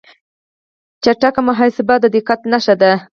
چټک محاسبه د دقت نښه ده.